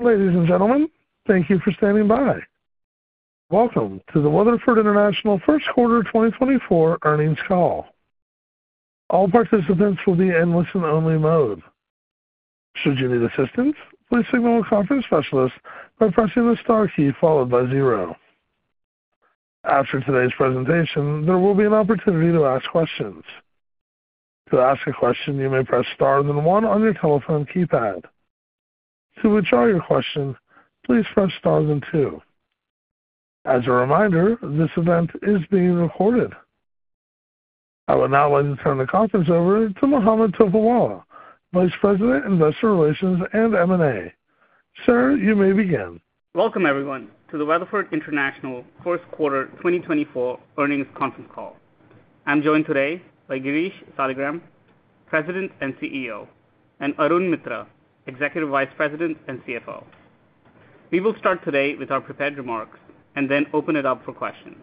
Ladies and gentlemen, thank you for standing by. Welcome to the Weatherford International First Quarter 2024 Earnings Call. All participants will be in listen-only mode. Should you need assistance, please signal a conference specialist by pressing the star key followed by zero. After today's presentation, there will be an opportunity to ask questions. To ask a question, you may press star then one on your telephone keypad. To withdraw your question, please press star then two. As a reminder, this event is being recorded. I would now like to turn the conference over to Mohammed Topiwala, Vice President, Investor Relations, and M&A. Sir, you may begin. Welcome, everyone, to the Weatherford International First Quarter 2024 Earnings Conference Call. I'm joined today by Girish Saligram, President and CEO, and Arun Mitra, Executive Vice President and CFO. We will start today with our prepared remarks and then open it up for questions.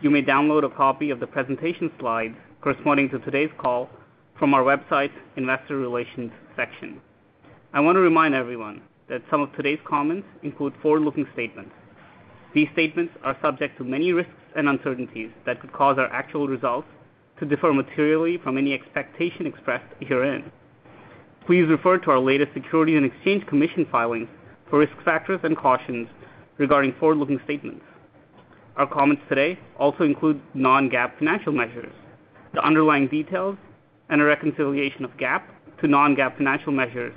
You may download a copy of the presentation slides corresponding to today's call from our website's Investor Relations section. I want to remind everyone that some of today's comments include forward-looking statements. These statements are subject to many risks and uncertainties that could cause our actual results to differ materially from any expectation expressed herein. Please refer to our latest Securities and Exchange Commission filing for risk factors and cautions regarding forward-looking statements. Our comments today also include non-GAAP financial measures. The underlying details and a reconciliation of GAAP to non-GAAP financial measures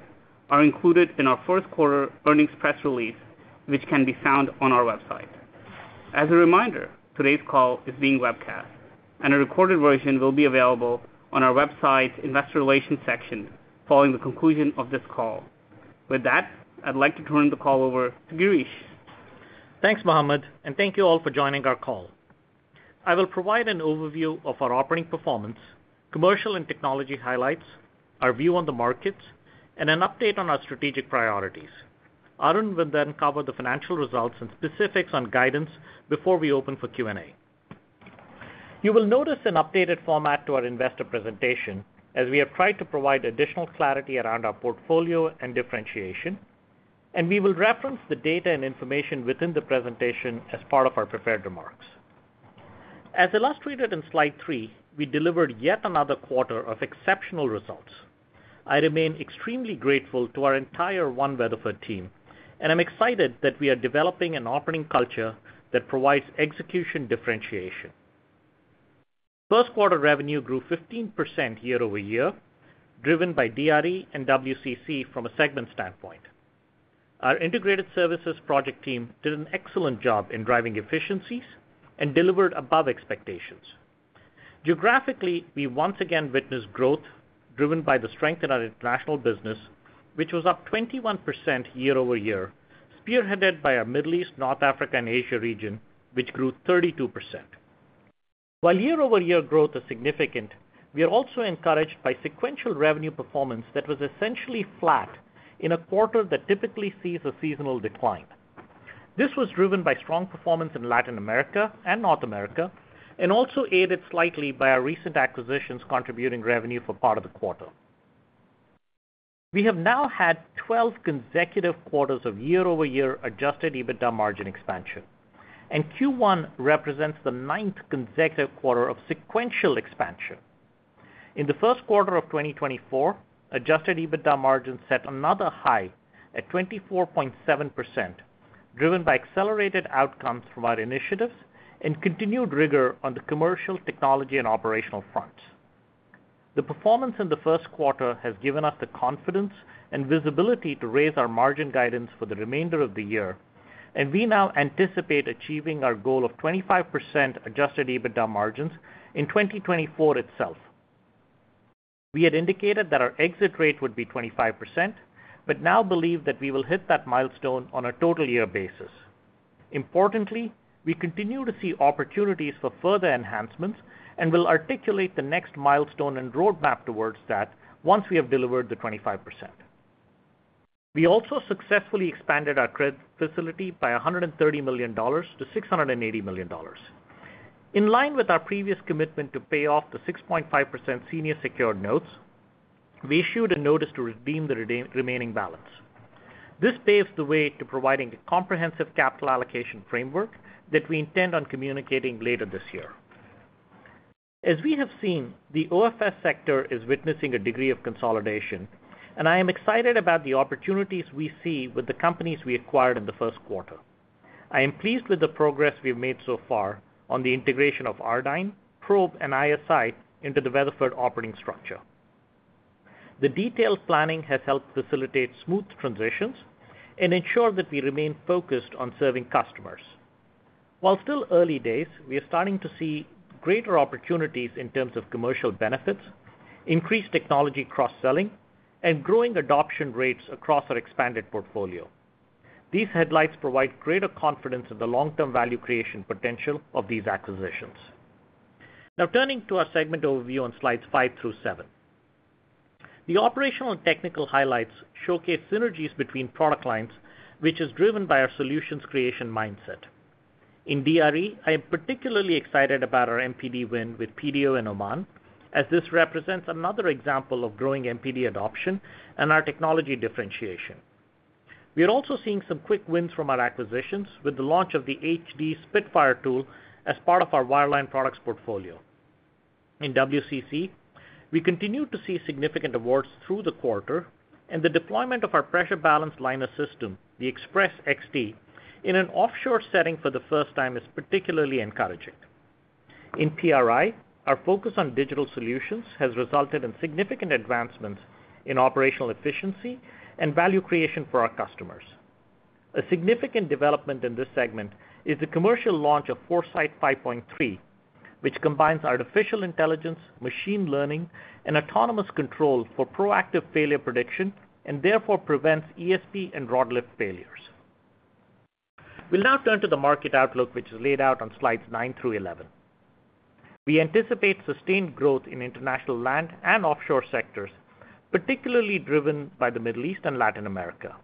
are included in our first quarter earnings press release, which can be found on our website. As a reminder, today's call is being webcast, and a recorded version will be available on our website's Investor Relations section following the conclusion of this call. With that, I'd like to turn the call over to Girish. Thanks, Mohammed, and thank you all for joining our call. I will provide an overview of our operating performance, commercial and technology highlights, our view on the markets, and an update on our strategic priorities. Arun will then cover the financial results and specifics on guidance before we open for Q&A. You will notice an updated format to our investor presentation, as we have tried to provide additional clarity around our portfolio and differentiation, and we will reference the data and information within the presentation as part of our prepared remarks. As illustrated in slide three, we delivered yet another quarter of exceptional results. I remain extremely grateful to our entire One Weatherford team, and I'm excited that we are developing an operating culture that provides execution differentiation. First quarter revenue grew 15% year-over-year, driven by DRE and WCC from a segment standpoint. Our integrated services project team did an excellent job in driving efficiencies and delivered above expectations. Geographically, we once again witnessed growth driven by the strength in our international business, which was up 21% year-over-year, spearheaded by our Middle East, North Africa, and Asia region, which grew 32%. While year-over-year growth is significant, we are also encouraged by sequential revenue performance that was essentially flat in a quarter that typically sees a seasonal decline. This was driven by strong performance in Latin America and North America and also aided slightly by our recent acquisitions, contributing revenue for part of the quarter. We have now had 12 consecutive quarters of year-over-year adjusted EBITDA margin expansion, and Q1 represents the ninth consecutive quarter of sequential expansion. In the first quarter of 2024, adjusted EBITDA margins set another high at 24.7%, driven by accelerated outcomes from our initiatives and continued rigor on the commercial, technology, and operational fronts. The performance in the first quarter has given us the confidence and visibility to raise our margin guidance for the remainder of the year, and we now anticipate achieving our goal of 25% Adjusted EBITDA margins in 2024 itself. We had indicated that our exit rate would be 25%, but now believe that we will hit that milestone on a total year basis. Importantly, we continue to see opportunities for further enhancements and will articulate the next milestone and roadmap towards that once we have delivered the 25%. We also successfully expanded our credit facility by $130 million-$680 million. In line with our previous commitment to pay off the 6.5% senior secured notes, we issued a notice to redeem the remaining balance. This paves the way to providing a comprehensive capital allocation framework that we intend on communicating later this year. As we have seen, the OFS sector is witnessing a degree of consolidation, and I am excited about the opportunities we see with the companies we acquired in the first quarter. I am pleased with the progress we've made so far on the integration of Ardyne, Probe, and ISI into the Weatherford operating structure. The detailed planning has helped facilitate smooth transitions and ensure that we remain focused on serving customers. While still early days, we are starting to see greater opportunities in terms of commercial benefits, increased technology cross-selling, and growing adoption rates across our expanded portfolio. These headlights provide greater confidence in the long-term value creation potential of these acquisitions. Now, turning to our segment overview on slides five through seven. The operational and technical highlights showcase synergies between product lines, which is driven by our solutions creation mindset. In DRE, I am particularly excited about our MPD win with PDO in Oman, as this represents another example of growing MPD adoption and our technology differentiation. We are also seeing some quick wins from our acquisitions with the launch of the HD Spitfire tool as part of our wireline products portfolio. In WCC, we continued to see significant awards through the quarter, and the deployment of our pressure-balanced liner system, the Express XT, in an offshore setting for the first time, is particularly encouraging. In PRI, our focus on digital solutions has resulted in significant advancements in operational efficiency and value creation for our customers. A significant development in this segment is the commercial launch of ForeSite 5.3, which combines artificial intelligence, machine learning, and autonomous control for proactive failure prediction, and therefore prevents ESP and rod lift failures. We'll now turn to the market outlook, which is laid out on slides nine through 11. We anticipate sustained growth in international land and offshore sectors, particularly driven by the Middle East and Latin America.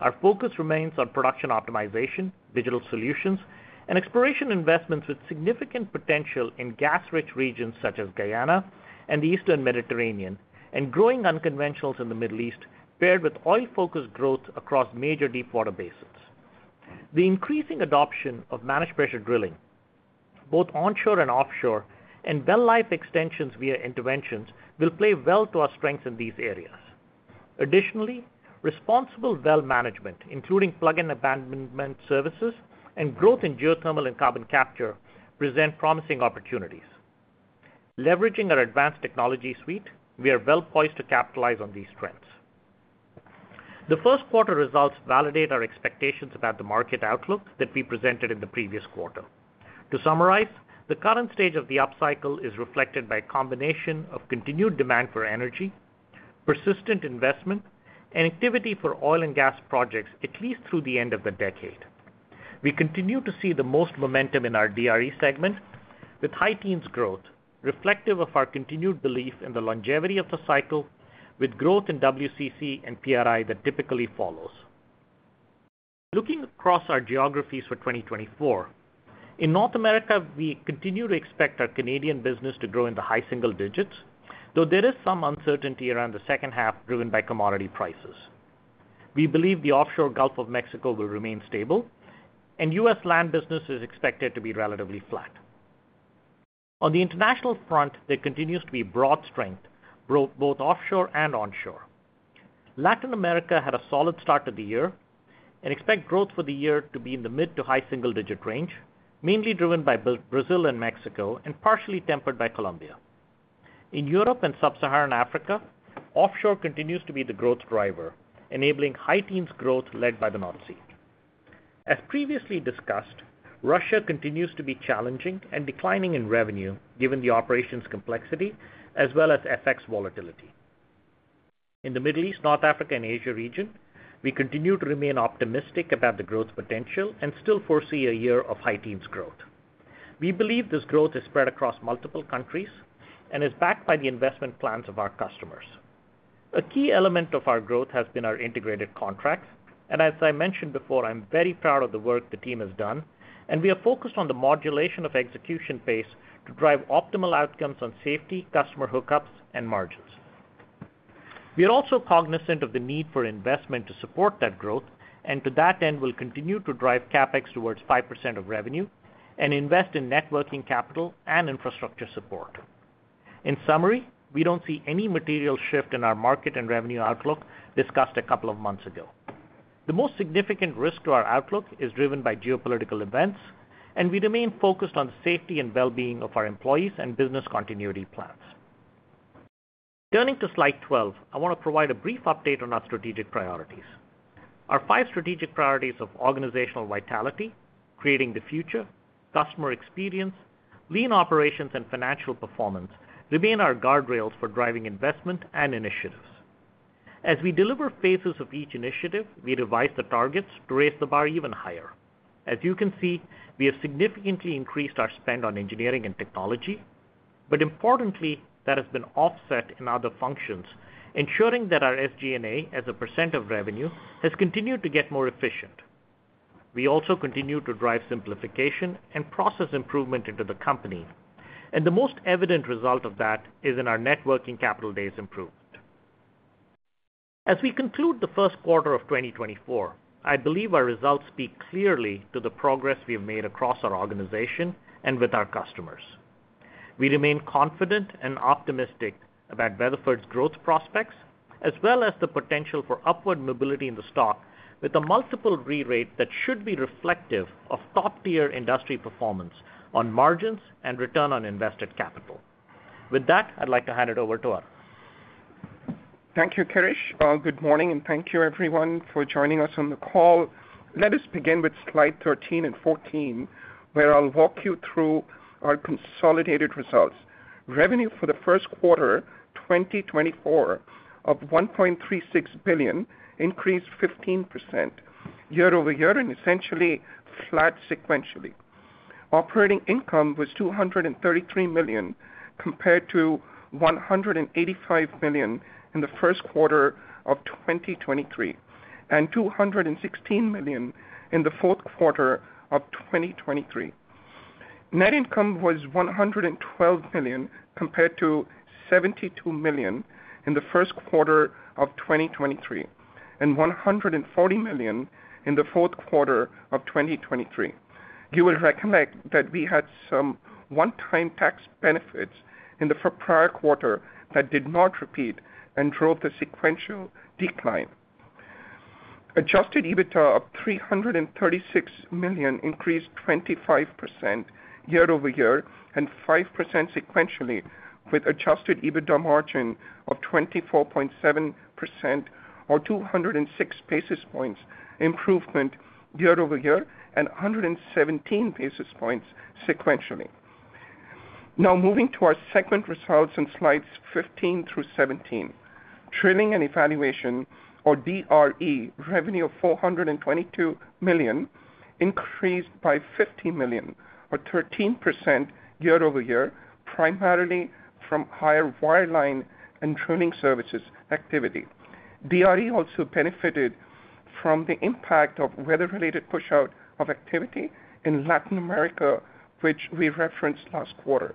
Our focus remains on production optimization, digital solutions, and exploration investments with significant potential in gas-rich regions such as Guyana and the Eastern Mediterranean, and growing unconventionals in the Middle East, paired with oil-focused growth across major deepwater basins. The increasing adoption of managed pressure drilling, both onshore and offshore, and well life extensions via interventions will play well to our strengths in these areas. Additionally, responsible well management, including plug and abandonment services and growth in geothermal and carbon capture, present promising opportunities. Leveraging our advanced technology suite, we are well-poised to capitalize on these trends. The first quarter results validate our expectations about the market outlook that we presented in the previous quarter. To summarize, the current stage of the upcycle is reflected by a combination of continued demand for energy, persistent investment, and activity for oil and gas projects, at least through the end of the decade. We continue to see the most momentum in our DRE segment, with high teens growth, reflective of our continued belief in the longevity of the cycle, with growth in WCC and PRI that typically follows. Looking across our geographies for 2024, in North America, we continue to expect our Canadian business to grow in the high single digits, though there is some uncertainty around the second half, driven by commodity prices. We believe the offshore Gulf of Mexico will remain stable, and U.S. land business is expected to be relatively flat. On the international front, there continues to be broad strength, both offshore and onshore. Latin America had a solid start to the year and expect growth for the year to be in the mid- to high-single-digit range, mainly driven by Brazil and Mexico, and partially tempered by Colombia. In Europe and Sub-Saharan Africa, offshore continues to be the growth driver, enabling high-teens growth led by the North Sea. As previously discussed, Russia continues to be challenging and declining in revenue, given the operational complexity as well as FX volatility. In the Middle East, North Africa, and Asia region, we continue to remain optimistic about the growth potential and still foresee a year of high teens growth. We believe this growth is spread across multiple countries and is backed by the investment plans of our customers. A key element of our growth has been our integrated contracts, and as I mentioned before, I'm very proud of the work the team has done, and we are focused on the modulation of execution pace to drive optimal outcomes on safety, customer hookups, and margins. We are also cognizant of the need for investment to support that growth, and to that end, we'll continue to drive CapEx towards 5% of revenue and invest in net working capital and infrastructure support. In summary, we don't see any material shift in our market and revenue outlook discussed a couple of months ago. The most significant risk to our outlook is driven by geopolitical events, and we remain focused on the safety and well-being of our employees and business continuity plans. Turning to slide 12, I want to provide a brief update on our strategic priorities. Our five strategic priorities of organizational vitality, creating the future, customer experience, lean operations, and financial performance remain our guardrails for driving investment and initiatives. As we deliver phases of each initiative, we revise the targets to raise the bar even higher. As you can see, we have significantly increased our spend on engineering and technology, but importantly, that has been offset in other functions, ensuring that our SG&A, as a percent of revenue, has continued to get more efficient. We also continue to drive simplification and process improvement into the company, and the most evident result of that is in our net working capital days improvement. As we conclude the first quarter of 2024, I believe our results speak clearly to the progress we have made across our organization and with our customers. We remain confident and optimistic about Weatherford's growth prospects, as well as the potential for upward mobility in the stock, with a multiple re-rate that should be reflective of top-tier industry performance on margins and return on invested capital. With that, I'd like to hand it over to Arun. Thank you, Girish. Good morning, and thank you everyone for joining us on the call. Let us begin with slide 13 and 14, where I'll walk you through our consolidated results. Revenue for the first quarter 2024 of $1.36 billion increased 15% year-over-year and essentially flat sequentially. Operating income was $233 million, compared to $185 million in the first quarter of 2023, and $216 million in the fourth quarter of 2023. Net income was $112 million, compared to $72 million in the first quarter of 2023, and $140 million in the fourth quarter of 2023. You will recognize that we had some one-time tax benefits in the prior quarter that did not repeat and drove the sequential decline. Adjusted EBITDA of $336 million increased 25% year-over-year and 5% sequentially, with adjusted EBITDA margin of 24.7% or 206 basis points improvement year-over-year and 117 basis points sequentially. Now moving to our segment results on slides 15 through 17. Drilling and Evaluation, or DRE, revenue of $422 million increased by $50 million or 13% year-over-year, primarily from higher wireline and drilling services activity. DRE also benefited from the impact of weather-related push-out of activity in Latin America, which we referenced last quarter.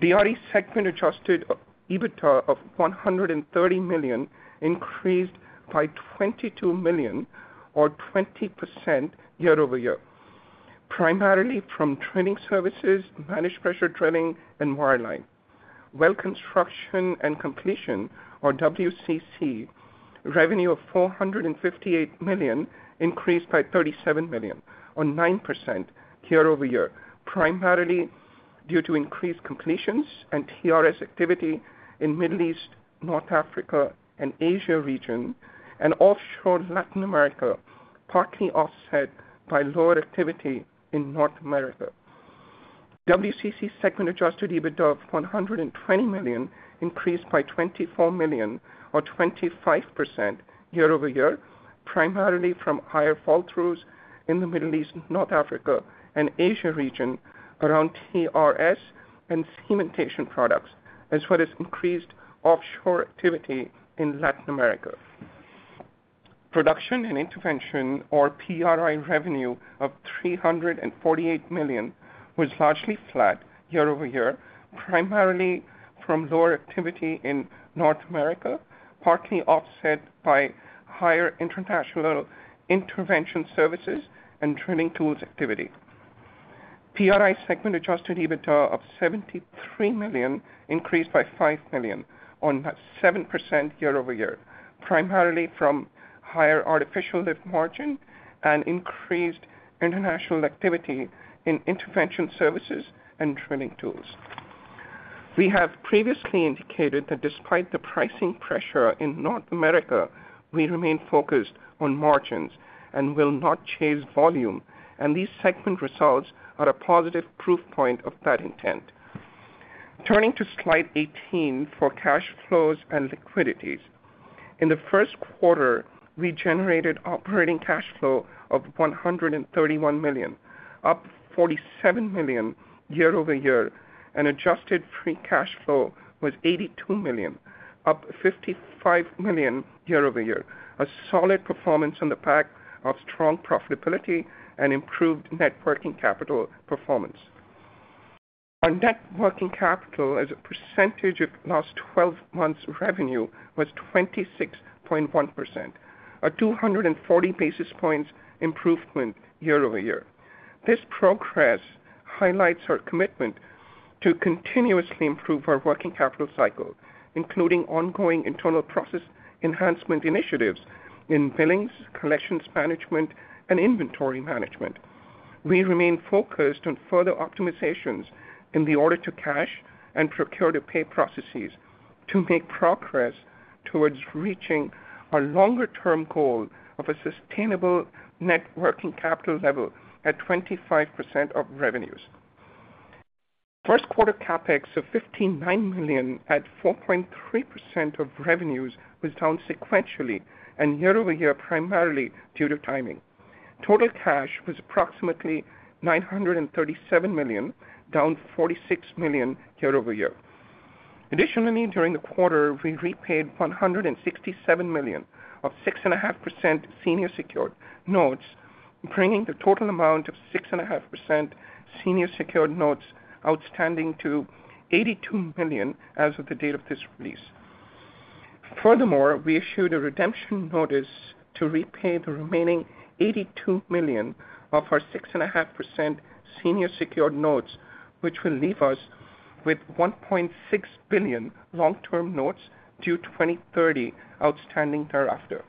DRE segment adjusted EBITDA of $130 million increased by $22 million or 20% year-over-year, primarily from drilling services, managed pressure drilling, and wireline. Well Construction and Completions, or WCC, revenue of $458 million increased by $37 million, or 9% year-over-year, primarily due to increased completions and TRS activity in Middle East, North Africa, and Asia region, and offshore Latin America, partly offset by lower activity in North America. WCC's segment adjusted EBITDA of $120 million increased by $24 million or 25% year-over-year, primarily from higher flow-throughs in the Middle East, North Africa, and Asia region around TRS and cementation products, as well as increased offshore activity in Latin America. Production and Intervention, or PRI, revenue of $348 million was largely flat year-over-year, primarily from lower activity in North America, partly offset by higher international intervention services and drilling tools activity. PRI segment adjusted EBITDA of $73 million increased by $5 million, on about 7% year-over-year, primarily from higher artificial lift margin and increased international activity in intervention services and drilling tools. We have previously indicated that despite the pricing pressure in North America, we remain focused on margins and will not chase volume, and these segment results are a positive proof point of that intent. Turning to slide 18 for cash flows and liquidity. In the first quarter, we generated operating cash flow of $131 million, up $47 million year-over-year, and adjusted free cash flow was $82 million, up $55 million year-over-year, a solid performance on the back of strong profitability and improved net working capital performance. Our net working capital as a percentage of last 12 months' revenue was 26.1%, a 240 basis points improvement year-over-year. This progress highlights our commitment to continuously improve our working capital cycle, including ongoing internal process enhancement initiatives in billings, collections management, and inventory management. We remain focused on further optimizations in the order to cash and procure to pay processes to make progress towards reaching our longer-term goal of a sustainable net working capital level at 25% of revenues. First quarter CapEx of $59 million at 4.3% of revenues was down sequentially and year-over-year, primarily due to timing. Total cash was approximately $937 million, down $46 million year-over-year. Additionally, during the quarter, we repaid $167 million of 6.5% senior secured notes, bringing the total amount of 6.5% senior secured notes outstanding to $82 million as of the date of this release. Furthermore, we issued a redemption notice to repay the remaining $82 million of our 6.5% senior secured notes, which will leave us with $1.6 billion long-term notes due 2030, outstanding thereafter.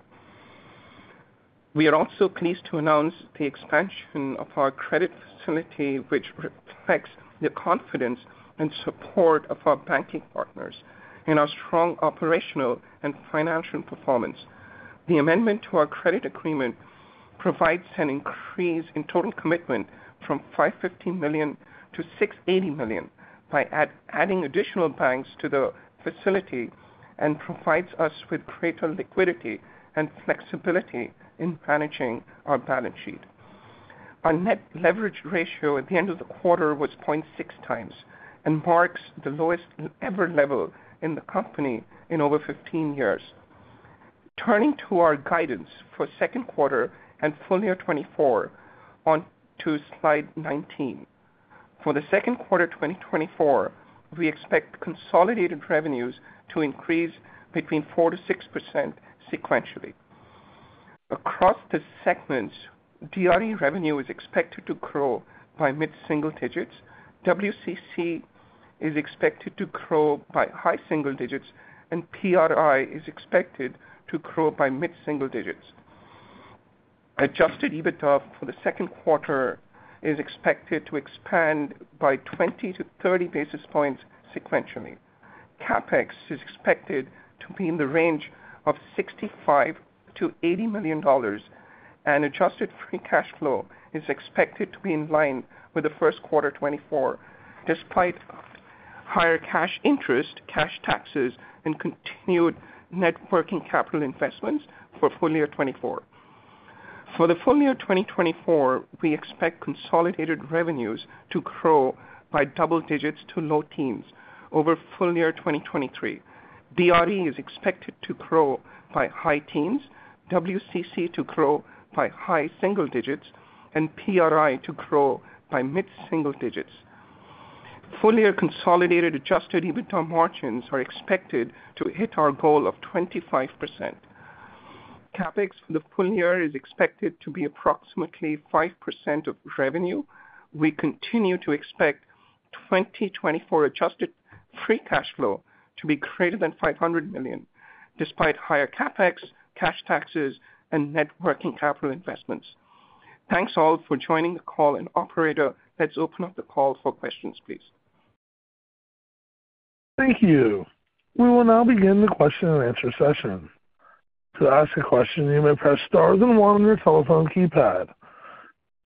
We are also pleased to announce the expansion of our credit facility, which reflects the confidence and support of our banking partners and our strong operational and financial performance. The amendment to our credit agreement provides an increase in total commitment from $550 million-$680 million by adding additional banks to the facility and provides us with greater liquidity and flexibility in managing our balance sheet. Our net leverage ratio at the end of the quarter was 0.6x, and marks the lowest ever level in the company in over 15 years. Turning to our guidance for second quarter and full year 2024, on to slide 19. For the second quarter 2024, we expect consolidated revenues to increase between 4%-6% sequentially. Across the segments, DRE revenue is expected to grow by mid-single digits, WCC is expected to grow by high single digits, and PRI is expected to grow by mid-single digits. Adjusted EBITDA for the second quarter is expected to expand by 20-30 basis points sequentially. CapEx is expected to be in the range of $65 million-$80 million, and adjusted free cash flow is expected to be in line with the first quarter 2024, despite higher cash interest, cash taxes, and continued net working capital investments for full year 2024. For the full year 2024, we expect consolidated revenues to grow by double digits to low teens over full year 2023. DRE is expected to grow by high teens, WCC to grow by high single digits, and PRI to grow by mid-single digits. Full year consolidated adjusted EBITDA margins are expected to hit our goal of 25%. CapEx for the full year is expected to be approximately 5% of revenue. We continue to expect 2024 adjusted free cash flow to be greater than $500 million, despite higher CapEx, cash taxes, and net working capital investments. Thanks all for joining the call, and operator, let's open up the call for questions, please. Thank you. We will now begin the Q&A session. To ask a question, you may press star then one on your telephone keypad.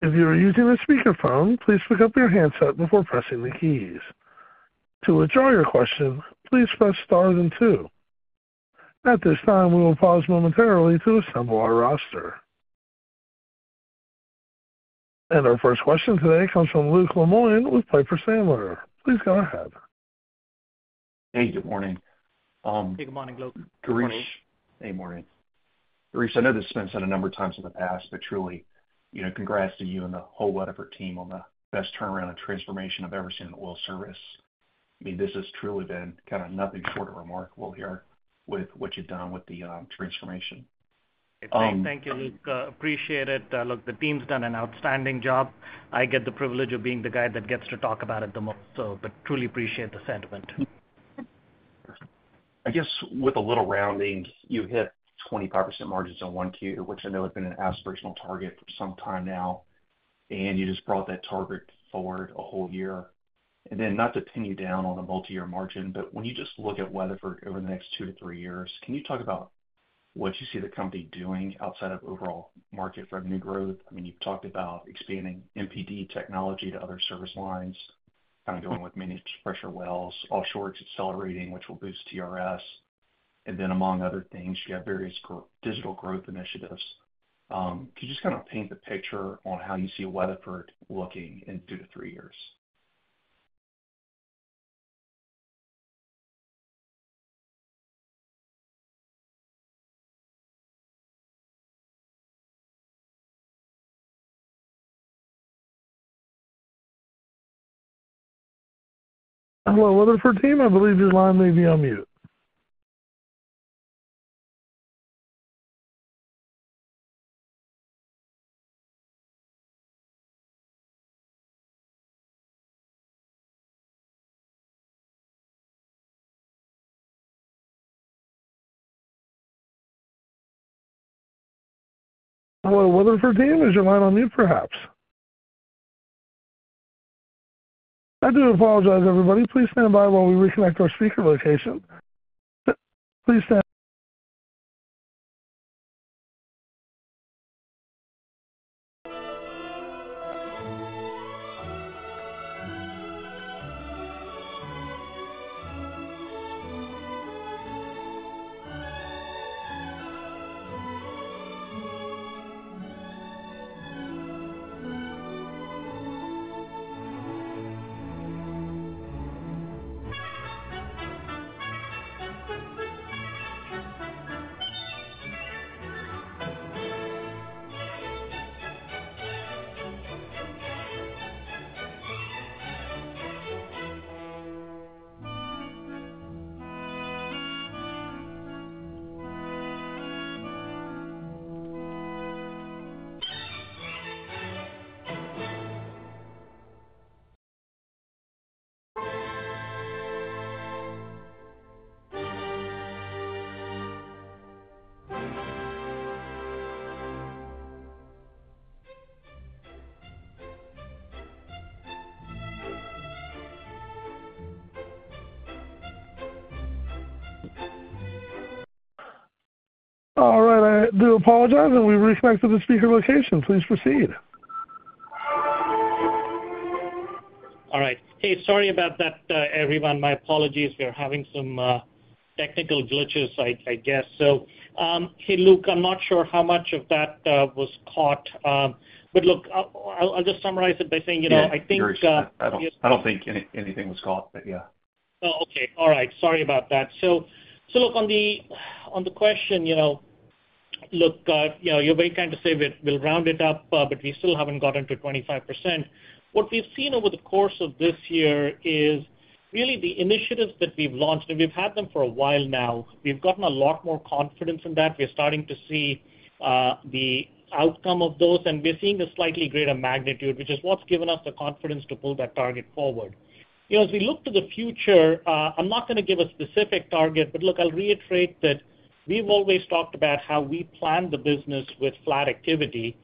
If you are using a speakerphone, please pick up your handset before pressing the keys. To withdraw your question, please press star then two. At this time, we will pause momentarily to assemble our roster. Our first question today comes from Luke Lemoine with Piper Sandler. Please go ahead. Hey, good morning. Hey, good morning, Luke. Girish. Hey, morning. Girish, I know this has been said a number of times in the past, but truly, you know, congrats to you and the whole Weatherford team on the best turnaround and transformation I've ever seen in oil service. I mean, this has truly been kind of nothing short of remarkable here with what you've done with the transformation. Thank you, Luke. Appreciate it. Look, the team's done an outstanding job. I get the privilege of being the guy that gets to talk about it the most, so but truly appreciate the sentiment. I guess with a little rounding, you hit 25% margins on 1Q, which I know has been an aspirational target for some time now, and you just brought that target forward a whole year. And then not to pin you down on a multi-year margin, but when you just look at Weatherford over the next two to three years, can you talk about what you see the company doing outside of overall market revenue growth? I mean, you've talked about expanding MPD technology to other service lines, kind of going with managed pressure wells, offshores accelerating, which will boost TRS. And then, among other things, you have various digital growth initiatives. Can you just kind of paint the picture on how you see Weatherford looking in two to three years? Hello, Weatherford team. I believe your line may be on mute. Hello, Weatherford team. Is your line on mute, perhaps? I do apologize, everybody. Please stand by while we reconnect our speaker location. Please stand by. All right, I do apologize, and we've reconnected the speaker location. Please proceed.... All right. Hey, sorry about that, everyone. My apologies. We are having some technical glitches, I guess. So, hey, Luke, I'm not sure how much of that was caught. But look, I'll just summarize it by saying, you know, I think, Yeah, I don't think anything was caught, but yeah. Oh, okay. All right. Sorry about that. So, look, on the question, you know, look, you know, you're very kind to say we'll round it up, but we still haven't gotten to 25%. What we've seen over the course of this year is really the initiatives that we've launched, and we've had them for a while now, we've gotten a lot more confidence in that. We're starting to see the outcome of those, and we're seeing a slightly greater magnitude, which is what's given us the confidence to pull that target forward. You know, as we look to the future, I'm not gonna give a specific target, but look, I'll reiterate that we've always talked about how we plan the business with flat activity,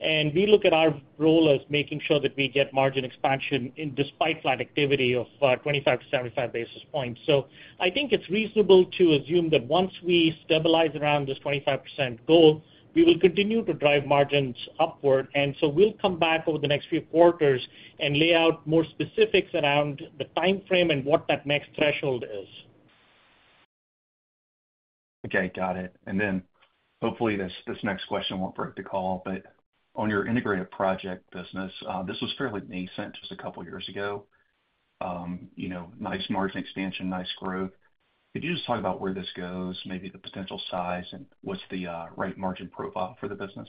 and we look at our role as making sure that we get margin expansion in despite flat activity of 25-75 basis points. So I think it's reasonable to assume that once we stabilize around this 25% goal, we will continue to drive margins upward. And so we'll come back over the next few quarters and lay out more specifics around the timeframe and what that next threshold is. Okay, got it. And then, hopefully, this, this next question won't break the call, but on your integrated project business, this was fairly nascent just a couple of years ago. You know, nice margin expansion, nice growth. Could you just talk about where this goes, maybe the potential size, and what's the, right margin profile for the business?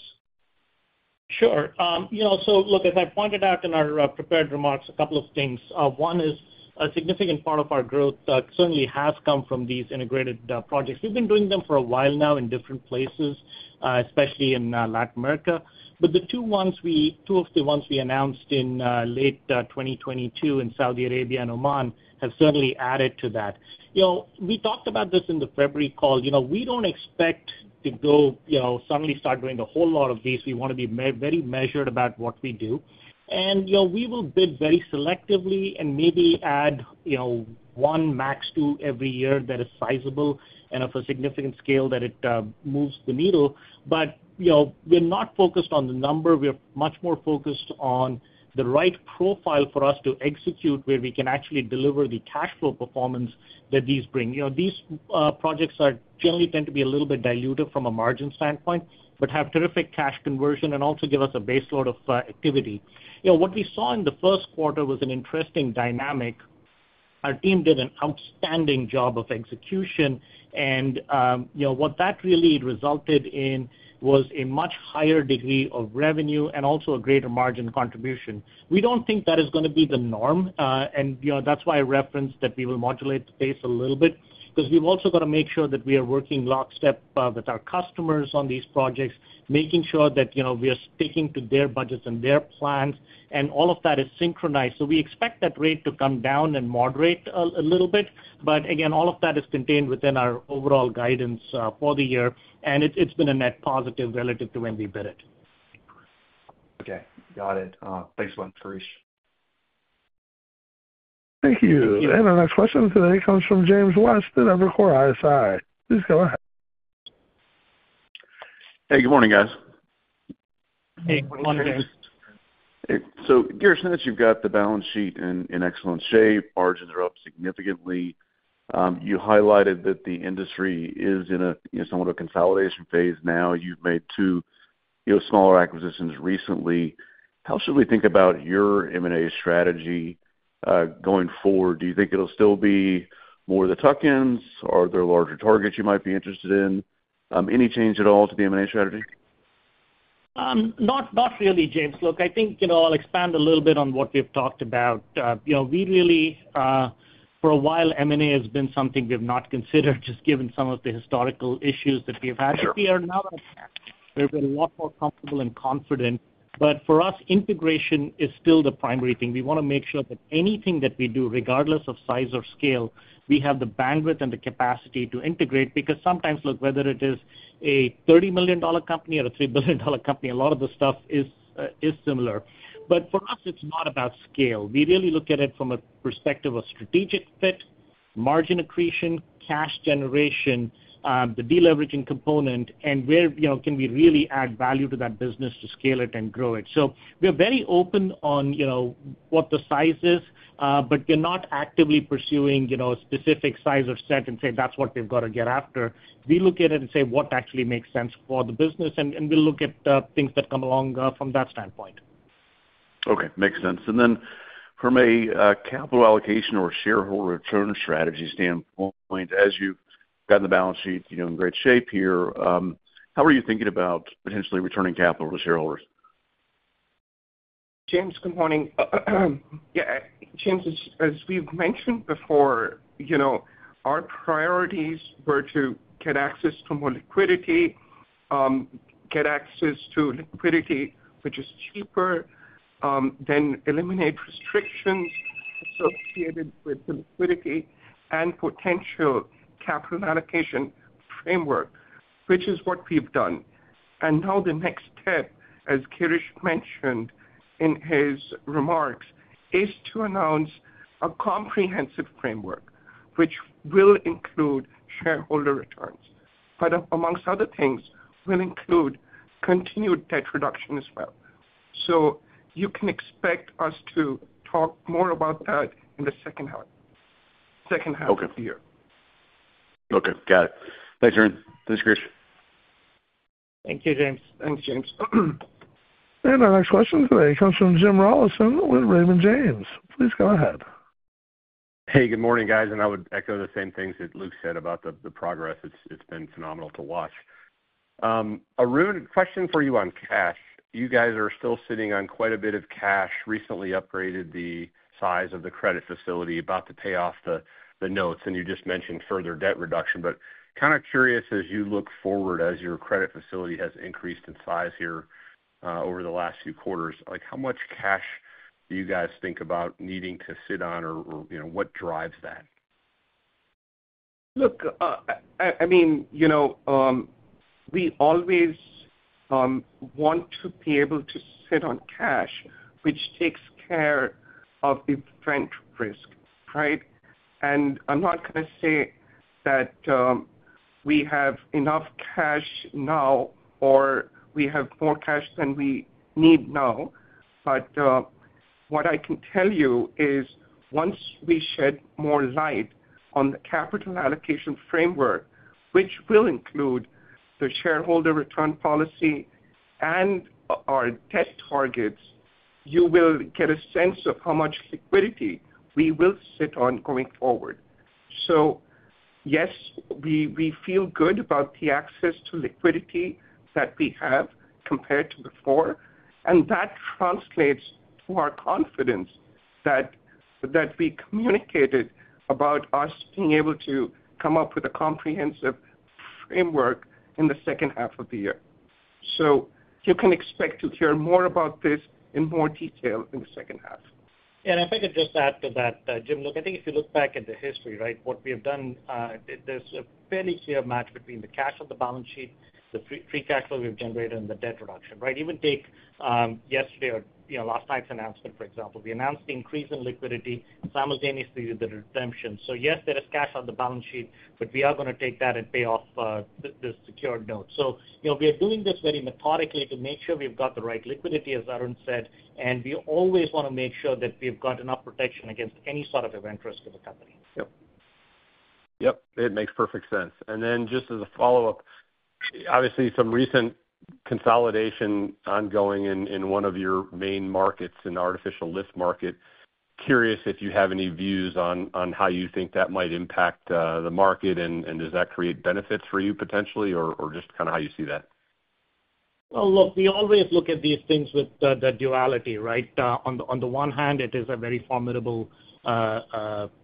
Sure. You know, so look, as I pointed out in our prepared remarks, a couple of things. One is, a significant part of our growth certainly has come from these integrated projects. We've been doing them for a while now in different places, especially in Latin America. But the two ones we—two of the ones we announced in late 2022 in Saudi Arabia and Oman, have certainly added to that. You know, we talked about this in the February call. You know, we don't expect to go, you know, suddenly start doing a whole lot of these. We wanna be very measured about what we do. And, you know, we will bid very selectively and maybe add, you know, one, max two every year that is sizable and of a significant scale that it moves the needle. But, you know, we're not focused on the number. We are much more focused on the right profile for us to execute, where we can actually deliver the cash flow performance that these bring. You know, these projects are generally tend to be a little bit dilutive from a margin standpoint, but have terrific cash conversion and also give us a base load of activity. You know, what we saw in the first quarter was an interesting dynamic. Our team did an outstanding job of execution, and, you know, what that really resulted in was a much higher degree of revenue and also a greater margin contribution. We don't think that is gonna be the norm, and, you know, that's why I referenced that we will modulate the pace a little bit, 'cause we've also got to make sure that we are working lockstep with our customers on these projects, making sure that, you know, we are sticking to their budgets and their plans, and all of that is synchronized. So we expect that rate to come down and moderate a little bit. But again, all of that is contained within our overall guidance for the year, and it's been a net positive relative to when we bid it. Okay, got it. Thanks a lot, Girish. Thank you. Our next question today comes from James West at Evercore ISI. Please go ahead. Hey, good morning, guys. Hey, good morning. So, Girish, now that you've got the balance sheet in excellent shape, margins are up significantly. You highlighted that the industry is in somewhat of a consolidation phase now. You've made two, you know, smaller acquisitions recently. How should we think about your M&A strategy going forward? Do you think it'll still be more the tuck-ins, or are there larger targets you might be interested in? Any change at all to the M&A strategy? Not really, James. Look, I think, you know, I'll expand a little bit on what we've talked about. You know, we really... For a while, M&A has been something we've not considered, just given some of the historical issues that we've had. Sure. But we are now, we've been a lot more comfortable and confident. But for us, integration is still the primary thing. We wanna make sure that anything that we do, regardless of size or scale, we have the bandwidth and the capacity to integrate, because sometimes, look, whether it is a $30 million company or a $3 billion company, a lot of the stuff is similar. But for us, it's not about scale. We really look at it from a perspective of strategic fit, margin accretion, cash generation, the deleveraging component, and where, you know, can we really add value to that business to scale it and grow it. So we're very open on, you know, what the size is, but we're not actively pursuing, you know, a specific size or set and say, "That's what we've got to get after." We look at it and say, what actually makes sense for the business, and we'll look at things that come along from that standpoint. Okay, makes sense. And then from a capital allocation or shareholder return strategy standpoint, as you've gotten the balance sheet, you know, in great shape here, how are you thinking about potentially returning capital to shareholders? James, good morning. Yeah, James, as we've mentioned before, you know, our priorities were to get access to more liquidity, get access to liquidity, which is cheaper, then eliminate restrictions associated with the liquidity and potential capital allocation framework, which is what we've done. Now the next step, as Girish mentioned in his remarks, is to announce a comprehensive framework, which will include shareholder returns, but amongst other things, will include continued debt reduction as well. So you can expect us to talk more about that in the second half, second half of the year. Okay. Got it. Thanks, Arun. Thanks, Girish. Thank you, James. Thanks, James. Our next question today comes from Jim Rollyson with Raymond James. Please go ahead. Hey, good morning, guys, and I would echo the same things that Luke said about the progress. It's been phenomenal to watch. Arun, question for you on cash. You guys are still sitting on quite a bit of cash, recently upgraded the size of the credit facility, about to pay off the notes, and you just mentioned further debt reduction. But kind of curious, as you look forward, as your credit facility has increased in size here over the last few quarters, like, how much cash do you guys think about needing to sit on or, you know, what drives that? Look, I mean, you know, we always want to be able to sit on cash, which takes care of event risk, right? And I'm not gonna say that we have enough cash now, or we have more cash than we need now, but what I can tell you is once we shed more light on the capital allocation framework, which will include the shareholder return policy and our debt targets, you will get a sense of how much liquidity we will sit on going forward. So yes, we feel good about the access to liquidity that we have compared to before, and that translates to our confidence that we communicated about us being able to come up with a comprehensive framework in the second half of the year. You can expect to hear more about this in more detail in the second half. And if I could just add to that, Jim, look, I think if you look back at the history, right, what we have done, there's a fairly clear match between the cash on the balance sheet, the pre-free cash flow we've generated, and the debt reduction, right? Even take yesterday or, you know, last night's announcement, for example. We announced the increase in liquidity simultaneously with the redemption. So yes, there is cash on the balance sheet, but we are gonna take that and pay off the secured note. So you know, we are doing this very methodically to make sure we've got the right liquidity, as Arun said, and we always wanna make sure that we've got enough protection against any sort of event risk to the company. Yep. Yep, it makes perfect sense. Then just as a follow-up, obviously, some recent consolidation ongoing in one of your main markets, in the artificial lift market. Curious if you have any views on how you think that might impact the market and does that create benefits for you potentially, or just kind of how you see that? Well, look, we always look at these things with the duality, right? On the one hand, it is a very formidable,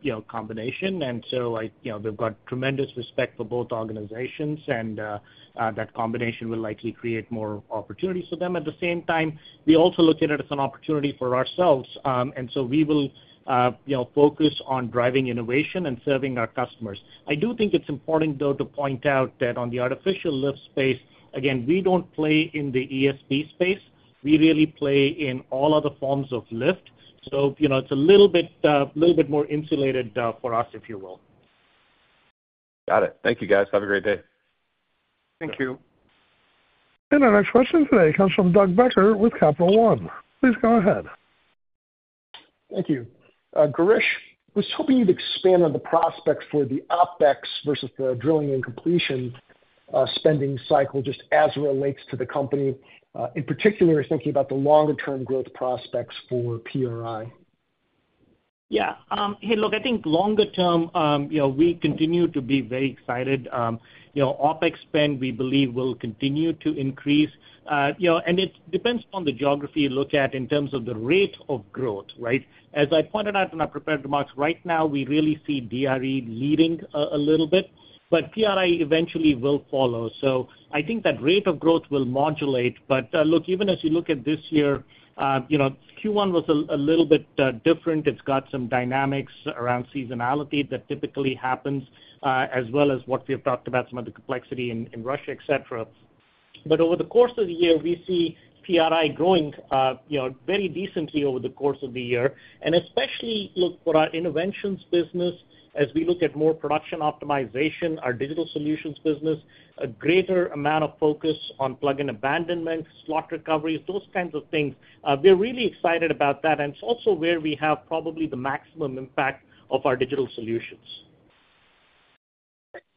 you know, combination, and so I—you know, we've got tremendous respect for both organizations, and that combination will likely create more opportunities for them. At the same time, we also look at it as an opportunity for ourselves, and so we will, you know, focus on driving innovation and serving our customers. I do think it's important, though, to point out that on the artificial lift space, again, we don't play in the ESP space. We really play in all other forms of lift. So, you know, it's a little bit more insulated for us, if you will. Got it. Thank you, guys. Have a great day. Thank you. And our next question today comes from Doug Becker with Capital One. Please go ahead. Thank you. Girish, I was hoping you'd expand on the prospects for the OpEx versus the drilling and completion, spending cycle, just as it relates to the company, in particular, thinking about the longer-term growth prospects for PRI. Yeah, hey, look, I think longer term, you know, we continue to be very excited. You know, OpEx spend, we believe, will continue to increase. You know, and it depends on the geography you look at in terms of the rate of growth, right? As I pointed out in my prepared remarks, right now, we really see DRE leading a little bit, but PRI eventually will follow. So I think that rate of growth will modulate. But, look, even as you look at this year, you know, Q1 was a little bit different. It's got some dynamics around seasonality that typically happens, as well as what we have talked about, some of the complexity in Russia, et cetera. Over the course of the year, we see PRI growing, you know, very decently over the course of the year. And especially, look, for our interventions business, as we look at more production optimization, our digital solutions business, a greater amount of focus on plug and abandonment, slot recoveries, those kinds of things, we're really excited about that, and it's also where we have probably the maximum impact of our digital solutions.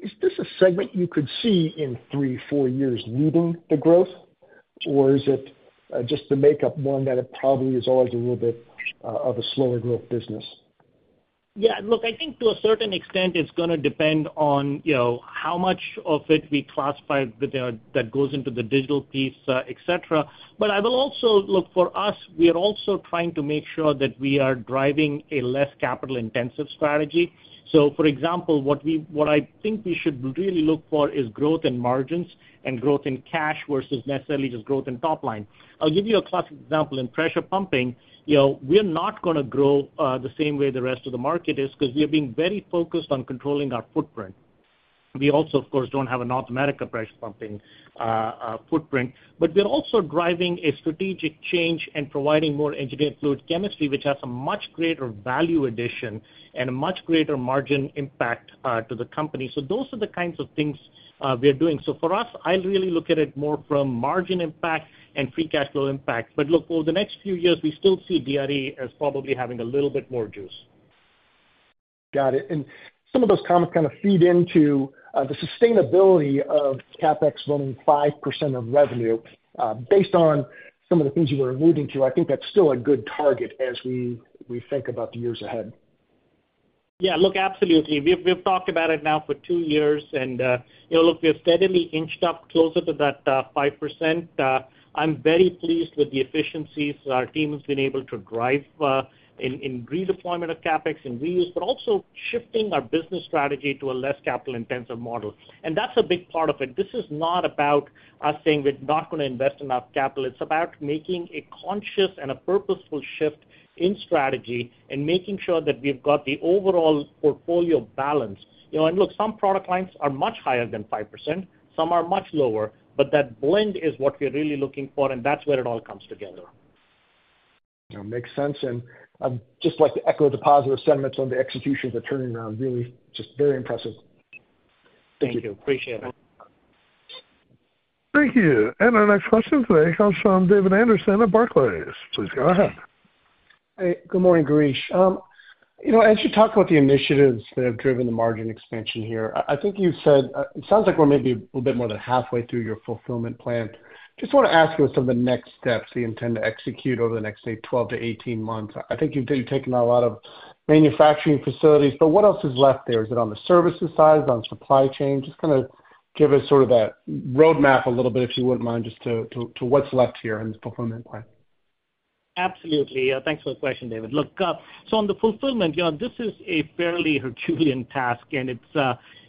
Is this a segment you could see in three, four years leading the growth, or is it just the makeup one, that it probably is always a little bit of a slower growth business? Yeah, look, I think to a certain extent, it's gonna depend on, you know, how much of it we classify that that goes into the digital piece, et cetera. But I will also look, for us, we are also trying to make sure that we are driving a less capital-intensive strategy. So for example, what I think we should really look for is growth in margins and growth in cash versus necessarily just growth in top line. I'll give you a classic example in pressure pumping. You know, we're not gonna grow the same way the rest of the market is, 'cause we are being very focused on controlling our footprint. We also, of course, don't have an automatic pressure pumping footprint. But we're also driving a strategic change and providing more engineered fluid chemistry, which has a much greater value addition and a much greater margin impact to the company. So those are the kinds of things we are doing. So for us, I really look at it more from margin impact and free cash flow impact. But look, over the next few years, we still see DRE as probably having a little bit more juice. Got it. And some of those comments kind of feed into the sustainability of CapEx running 5% of revenue. Based on some of the things you were alluding to, I think that's still a good target as we, we think about the years ahead. Yeah, look, absolutely. We've talked about it now for two years, and, you know, look, we have steadily inched up closer to that 5%. I'm very pleased with the efficiencies our team has been able to drive in redeployment of CapEx and reuse, but also shifting our business strategy to a less capital-intensive model. And that's a big part of it. This is not about us saying we're not gonna invest enough capital. It's about making a conscious and a purposeful shift in strategy and making sure that we've got the overall portfolio balanced. You know, and look, some product lines are much higher than 5%, some are much lower, but that blend is what we're really looking for, and that's where it all comes together. You know, makes sense, and I'd just like to echo the positive sentiments on the execution of the turnaround. Really, just very impressive. Thank you. Appreciate it. Thank you. And our next question today comes from David Anderson at Barclays. Please go ahead. Hey, good morning, Girish. You know, as you talk about the initiatives that have driven the margin expansion here, I think you said it sounds like we're maybe a little bit more than halfway through your fulfillment plan. Just wanna ask you what some of the next steps you intend to execute over the next, say, 12-18 months. I think you've taken a lot of manufacturing facilities, but what else is left there? Is it on the services side, on supply chain? Just kind of give us sort of that roadmap a little bit, if you wouldn't mind, just to what's left here in this fulfillment plan. Absolutely. Thanks for the question, David. Look, so on the fulfillment, you know, this is a fairly Herculean task, and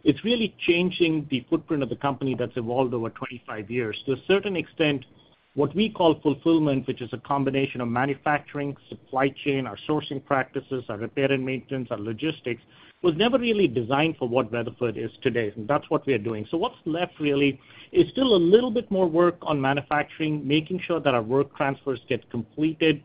it's really changing the footprint of the company that's evolved over 25 years. To a certain extent, what we call fulfillment, which is a combination of manufacturing, supply chain, our sourcing practices, our repair and maintenance, our logistics, was never really designed for what Weatherford is today, and that's what we are doing. So what's left really is still a little bit more work on manufacturing, making sure that our work transfers get completed.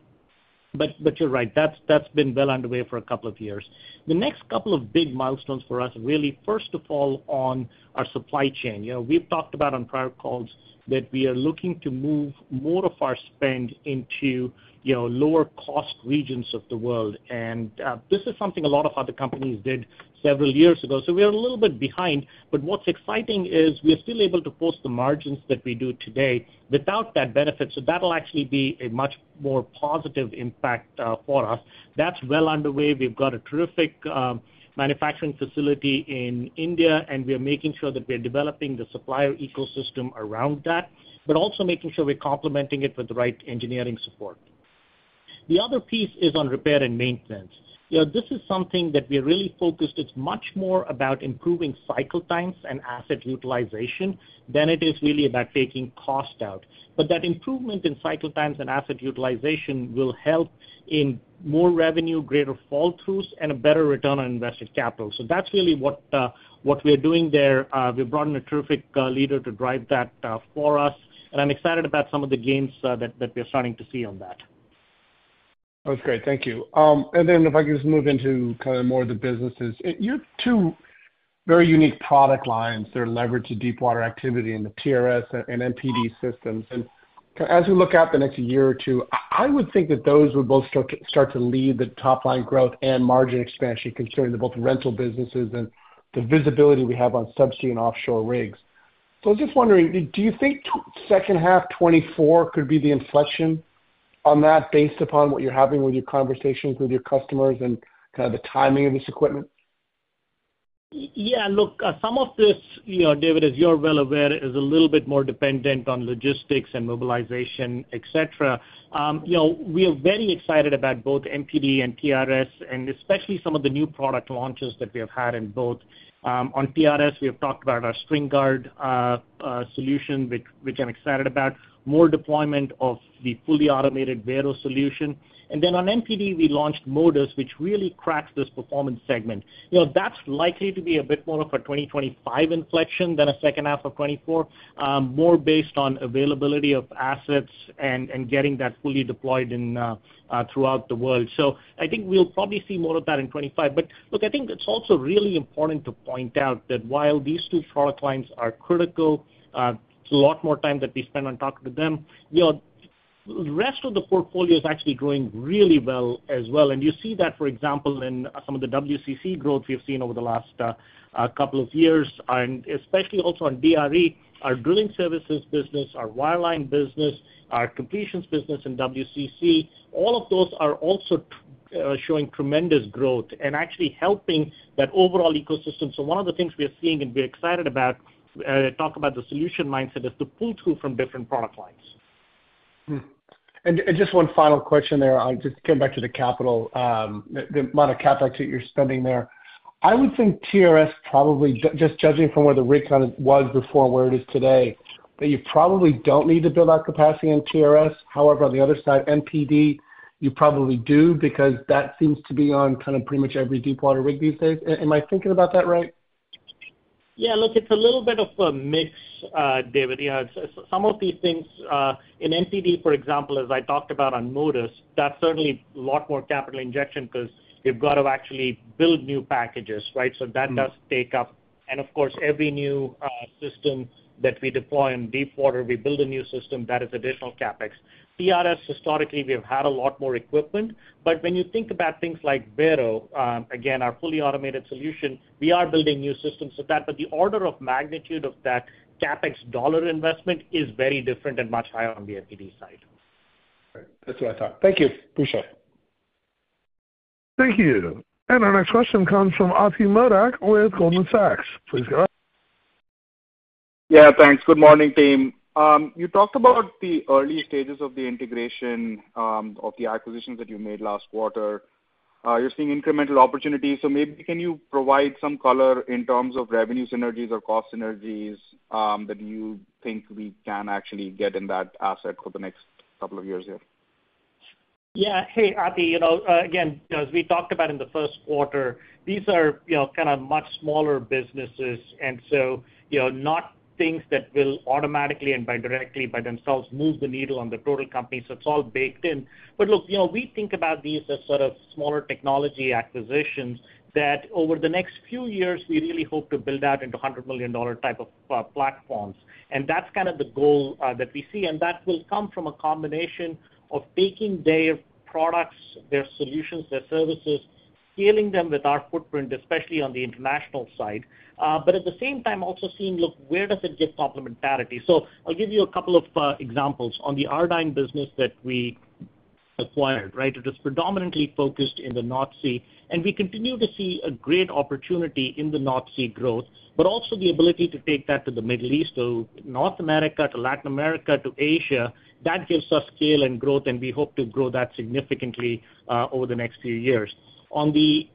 But you're right, that's been well underway for a couple of years. The next couple of big milestones for us, really, first of all, on our supply chain. You know, we've talked about on prior calls that we are looking to move more of our spend into, you know, lower cost regions of the world. And this is something a lot of other companies did several years ago, so we are a little bit behind. But what's exciting is we are still able to post the margins that we do today without that benefit, so that'll actually be a much more positive impact for us. That's well underway. We've got a terrific manufacturing facility in India, and we are making sure that we're developing the supplier ecosystem around that, but also making sure we're complementing it with the right engineering support. The other piece is on repair and maintenance. You know, this is something that we are really focused. It's much more about improving cycle times and asset utilization than it is really about taking cost out. But that improvement in cycle times and asset utilization will help in more revenue, greater fall-throughs, and a better return on invested capital. So that's really what we're doing there. We've brought in a terrific leader to drive that for us, and I'm excited about some of the gains that we're starting to see on that. That's great. Thank you. And then if I could just move into kind of more of the businesses. You have two very unique product lines that are leveraged to deepwater activity in the TRS and MPD systems. And as we look out the next year or two, I would think that those would both start to lead the top line growth and margin expansion, considering the both rental businesses and the visibility we have on subsea and offshore rigs. So I was just wondering, do you think second half 2024 could be the inflection on that based upon what you're having with your conversations with your customers and kind of the timing of this equipment? Yeah, look, some of this, you know, David, as you're well aware, is a little bit more dependent on logistics and mobilization, et cetera. You know, we are very excited about both MPD and TRS, and especially some of the new product launches that we have had in both. On TRS, we have talked about our StringGuard solution, which I'm excited about. More deployment of the fully automated Vero solution. And then on MPD, we launched Modus, which really cracks this performance segment. You know, that's likely to be a bit more of a 2025 inflection than a second half of 2024, more based on availability of assets and getting that fully deployed throughout the world. So I think we'll probably see more of that in 2025. But look, I think it's also really important to point out that while these two product lines are critical, it's a lot more time that we spend on talking to them. You know, the rest of the portfolio is actually growing really well as well, and you see that, for example, in some of the WCC growth we've seen over the last couple of years. And especially also on DRE, our drilling services business, our wireline business, our completions business in WCC, all of those are also showing tremendous growth and actually helping that overall ecosystem. So one of the things we are seeing and we're excited about, talk about the solution mindset, is to pull through from different product lines. Hmm. And just one final question there. I'll just come back to the capital, the amount of CapEx that you're spending there. I would think TRS probably, just judging from where the rig count was before, where it is today.... that you probably don't need to build out capacity in TRS. However, on the other side, MPD, you probably do, because that seems to be on kind of pretty much every deepwater rig these days. Am I thinking about that right? Yeah, look, it's a little bit of a mix, David. Yeah, so some of these things in MPD, for example, as I talked about on Modus, that's certainly a lot more capital injection because you've got to actually build new packages, right? So that does take up. And of course, every new system that we deploy in deepwater, we build a new system that is additional CapEx. TRS, historically, we have had a lot more equipment, but when you think about things like Vero, again, our fully automated solution, we are building new systems for that, but the order of magnitude of that CapEx dollar investment is very different and much higher on the MPD side. Great. That's what I thought. Thank you. Appreciate it. Thank you. Our next question comes from Ati Modak with Goldman Sachs. Please go ahead. Yeah, thanks. Good morning, team. You talked about the early stages of the integration of the acquisitions that you made last quarter. You're seeing incremental opportunities. So maybe can you provide some color in terms of revenue synergies or cost synergies that you think we can actually get in that asset for the next couple of years here? Yeah. Hey, Ati, you know, again, as we talked about in the first quarter, these are, you know, kind of much smaller businesses, and so, you know, not things that will automatically and by directly by themselves move the needle on the total company. So it's all baked in. But look, you know, we think about these as sort of smaller technology acquisitions that over the next few years, we really hope to build out into $100 million type of platforms. And that's kind of the goal that we see, and that will come from a combination of taking their products, their solutions, their services, scaling them with our footprint, especially on the international side, but at the same time also seeing, look, where does it get complementarity? So I'll give you a couple of examples. On the Ardyne business that we acquired, right? It is predominantly focused in the North Sea, and we continue to see a great opportunity in the North Sea growth, but also the ability to take that to the Middle East, to North America, to Latin America, to Asia. That gives us scale and growth, and we hope to grow that significantly over the next few years. On the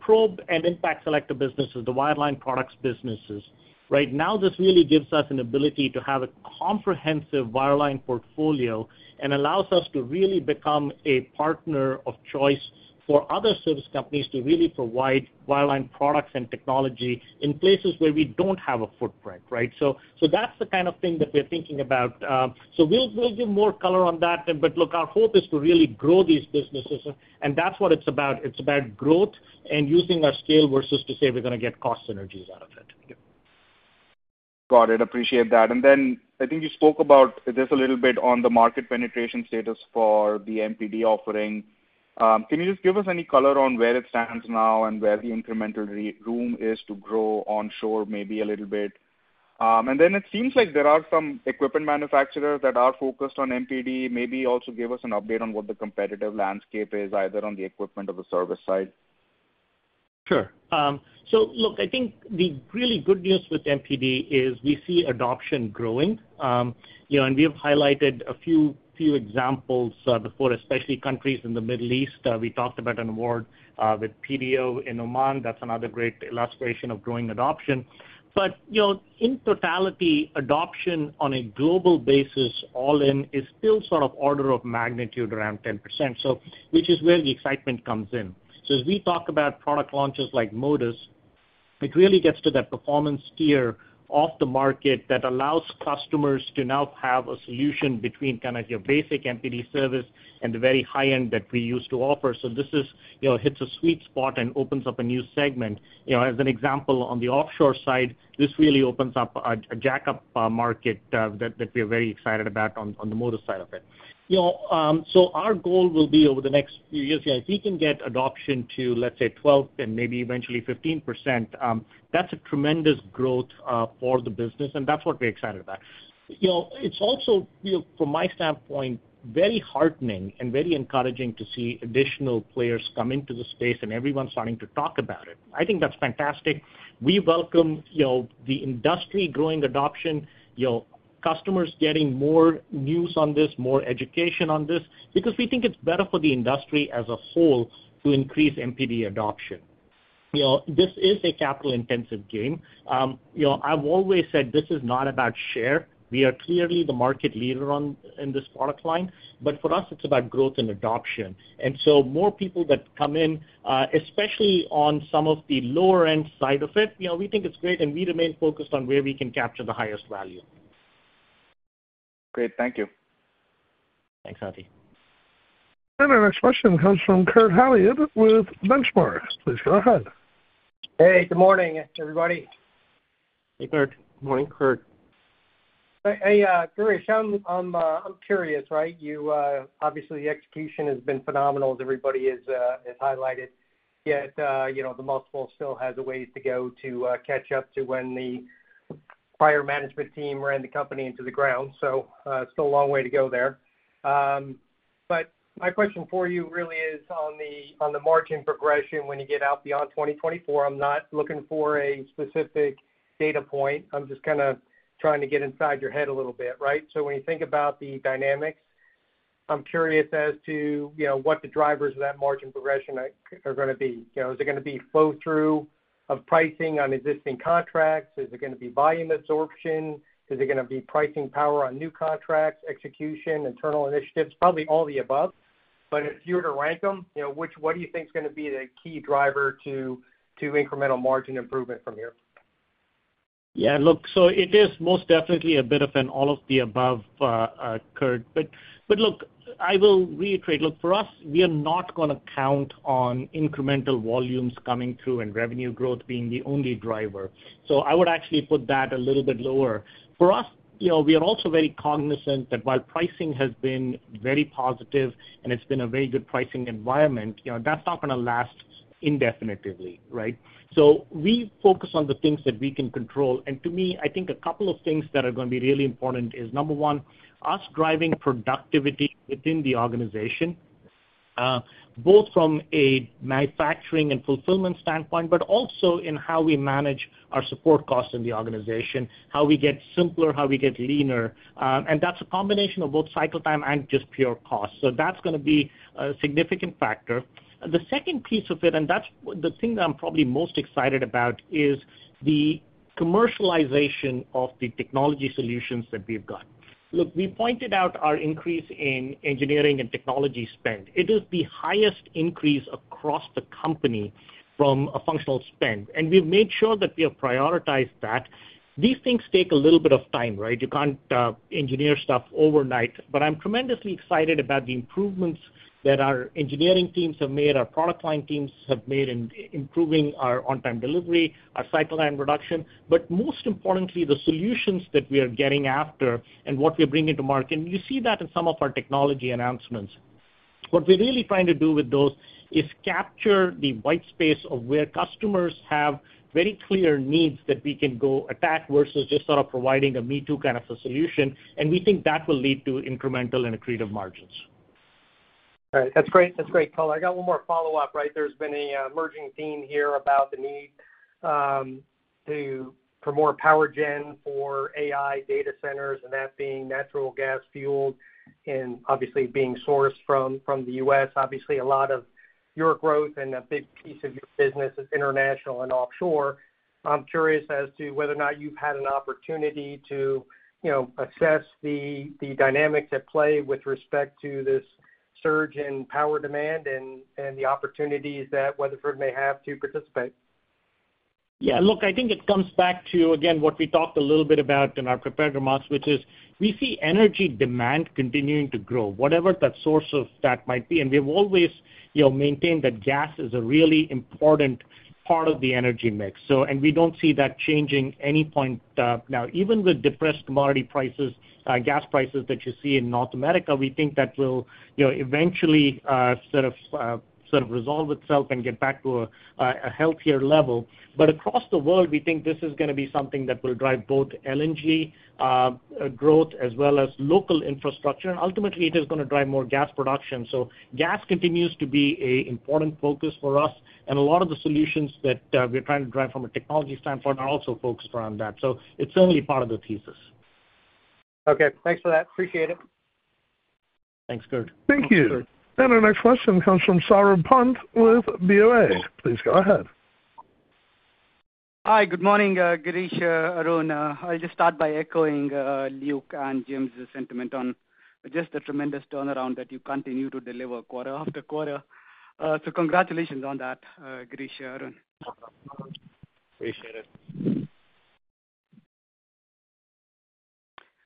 Probe and Impact Selector businesses, the wireline products businesses, right now, this really gives us an ability to have a comprehensive wireline portfolio and allows us to really become a partner of choice for other service companies to really provide wireline products and technology in places where we don't have a footprint, right? So, so that's the kind of thing that we're thinking about. So we'll, we'll give more color on that, but look, our hope is to really grow these businesses, and that's what it's about. It's about growth and using our scale versus to say we're gonna get cost synergies out of it. Got it. Appreciate that. And then I think you spoke about this a little bit on the market penetration status for the MPD offering. Can you just give us any color on where it stands now and where the incremental room is to grow onshore, maybe a little bit? And then it seems like there are some equipment manufacturers that are focused on MPD. Maybe also give us an update on what the competitive landscape is, either on the equipment or the service side. Sure. So look, I think the really good news with MPD is we see adoption growing. You know, and we have highlighted a few examples before, especially countries in the Middle East. We talked about an award with PDO in Oman. That's another great illustration of growing adoption. But, you know, in totality, adoption on a global basis, all in, is still sort of order of magnitude around 10%, so which is where the excitement comes in. So as we talk about product launches like Modus, it really gets to that performance tier of the market that allows customers to now have a solution between kind of your basic MPD service and the very high end that we used to offer. So this is, you know, hits a sweet spot and opens up a new segment. You know, as an example, on the offshore side, this really opens up a jackup market that we're very excited about on the Modus side of it. You know, so our goal will be over the next few years, if we can get adoption to, let's say, 12% and maybe eventually 15%, that's a tremendous growth for the business, and that's what we're excited about. You know, it's also, you know, from my standpoint, very heartening and very encouraging to see additional players come into the space and everyone starting to talk about it. I think that's fantastic. We welcome, you know, the industry growing adoption, you know, customers getting more news on this, more education on this, because we think it's better for the industry as a whole to increase MPD adoption. You know, this is a capital-intensive game. You know, I've always said this is not about share. We are clearly the market leader in this product line, but for us, it's about growth and adoption. And so more people that come in, especially on some of the lower-end side of it, you know, we think it's great, and we remain focused on where we can capture the highest value. Great. Thank you. Thanks, Ati. Our next question comes from Kurt Hallead with Benchmark. Please go ahead. Hey, good morning, everybody. Hey, Kurt. Morning, Kurt. Hey, hey, Girish, I'm curious, right? You obviously, the execution has been phenomenal, as everybody has highlighted, yet you know, the multiple still has a ways to go to catch up to when the prior management team ran the company into the ground. So still a long way to go there. But my question for you really is on the margin progression when you get out beyond 2024. I'm not looking for a specific data point. I'm just kinda trying to get inside your head a little bit, right? So I'm curious as to, you know, what the drivers of that margin progression are gonna be. You know, is it gonna be flow-through of pricing on existing contracts? Is it gonna be volume absorption? Is it gonna be pricing power on new contracts, execution, internal initiatives? Probably all the above, but if you were to rank them, you know, what do you think is gonna be the key driver to incremental margin improvement from here? Yeah, look, so it is most definitely a bit of an all of the above, Kurt. But look, I will reiterate. Look, for us, we are not gonna count on incremental volumes coming through and revenue growth being the only driver. So I would actually put that a little bit lower. For us, you know, we are also very cognizant that while pricing has been very positive and it's been a very good pricing environment, you know, that's not gonna last indefinitely, right? So we focus on the things that we can control. To me, I think a couple of things that are gonna be really important is, number one, us driving productivity within the organization, both from a manufacturing and fulfillment standpoint, but also in how we manage our support costs in the organization, how we get simpler, how we get leaner, and that's a combination of both cycle time and just pure cost. So that's gonna be a significant factor. The second piece of it, and that's the thing that I'm probably most excited about, is the commercialization of the technology solutions that we've got. Look, we pointed out our increase in engineering and technology spend. It is the highest increase across the company from a functional spend, and we've made sure that we have prioritized that. These things take a little bit of time, right? You can't engineer stuff overnight. I'm tremendously excited about the improvements that our engineering teams have made, our product line teams have made in improving our on-time delivery, our cycle time reduction, but most importantly, the solutions that we are getting after and what we are bringing to market. You see that in some of our technology announcements. What we're really trying to do with those is capture the white space of where customers have very clear needs that we can go attack, versus just sort of providing a me-too kind of a solution, and we think that will lead to incremental and accretive margins. All right. That's great. That's great, cool. I got one more follow-up, right? There's been a emerging theme here about the need for more power gen for AI data centers, and that being natural gas fueled and obviously being sourced from, from the U.S. Obviously, a lot of your growth and a big piece of your business is international and offshore. I'm curious as to whether or not you've had an opportunity to, you know, assess the, the dynamics at play with respect to this surge in power demand and, and the opportunities that Weatherford may have to participate. Yeah, look, I think it comes back to, again, what we talked a little bit about in our prepared remarks, which is we see energy demand continuing to grow, whatever the source of that might be, and we've always, you know, maintained that gas is a really important part of the energy mix. So... And we don't see that changing any point now. Even with depressed commodity prices, gas prices that you see in North America, we think that will, you know, eventually sort of sort of resolve itself and get back to a healthier level. But across the world, we think this is gonna be something that will drive both LNG growth, as well as local infrastructure. Ultimately, it is gonna drive more gas production. So gas continues to be an important focus for us, and a lot of the solutions that we're trying to drive from a technology standpoint are also focused around that. So it's certainly part of the thesis. Okay, thanks for that. Appreciate it. Thanks, Kurt. Thank you. Our next question comes from Saurabh Pant with BofA. Please go ahead. Hi, good morning, Girish, Arun. I'll just start by echoing Luke and Jim's sentiment on just the tremendous turnaround that you continue to deliver quarter-after-quarter. So congratulations on that, Girish, Arun. Appreciate it.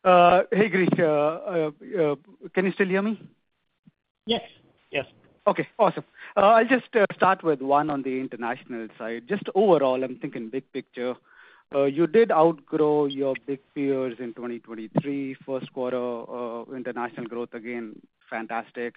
Hey, Girish, can you still hear me? Yes. Yes. Okay, awesome. I'll just start with one on the international side. Just overall, I'm thinking big picture, you did outgrow your big peers in 2023, first quarter of international growth, again, fantastic.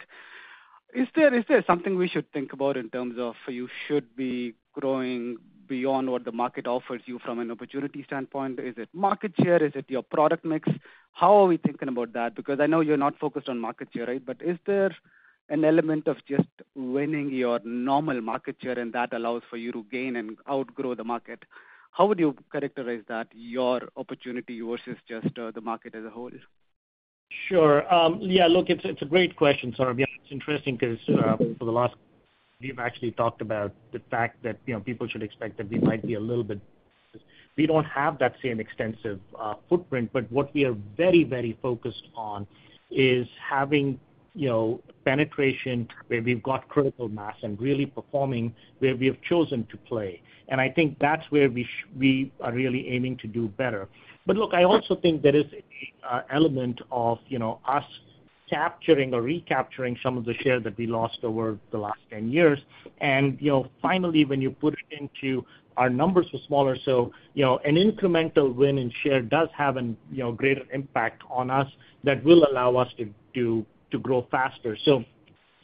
Is there, is there something we should think about in terms of you should be growing beyond what the market offers you from an opportunity standpoint? Is it market share? Is it your product mix? How are we thinking about that? Because I know you're not focused on market share, right, but is there an element of just winning your normal market share, and that allows for you to gain and outgrow the market? How would you characterize that, your opportunity versus just the market as a whole? Sure. Yeah, look, it's, it's a great question, Saurabh. Yeah, it's interesting because, for the last, we've actually talked about the fact that, you know, people should expect that we might be a little bit... We don't have that same extensive footprint, but what we are very, very focused on is having, you know, penetration where we've got critical mass and really performing where we have chosen to play. And I think that's where we are really aiming to do better. But look, I also think there is a element of, you know, us capturing or recapturing some of the share that we lost over the last 10 years. And, you know, finally, when you put it into our numbers were smaller, so, you know, an incremental win in share does have an, you know, greater impact on us that will allow us to to grow faster. So